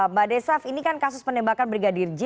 mbak desaf ini kan kasus penembakan brigadir j